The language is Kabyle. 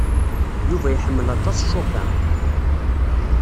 Yuba iḥemmel aṭas Chopin.